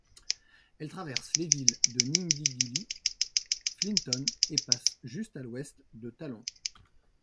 Elle traverse les villes de Nindigully, Flinton et passe juste à l'ouest de Thallon.